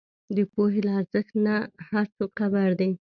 د پوهې له ارزښت نۀ هر څوک خبر دی